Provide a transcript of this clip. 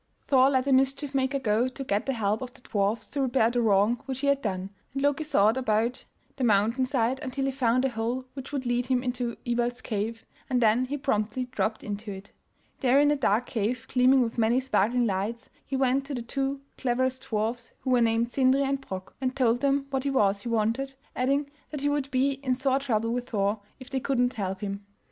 Thor let the mischief maker go to get the help of the dwarfs to repair the wrong which he had done, and Loki sought about the mountain side until he found a hole which would lead him into Iwald's cave, and then he promptly dropped into it. There in a dark cave gleaming with many sparkling lights he went to the two cleverest dwarfs who were named Sindri and Brok, and told them what it was he wanted, adding that he would be in sore trouble with Thor if they could not help him.